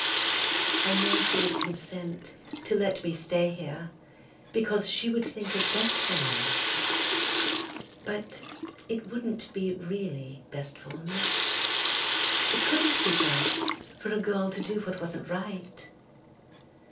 I know she would consent to let me stay here, because she would think it best for me, but it wouldn't be really best for me; it couldn't be best for a girl to do what wasn't right.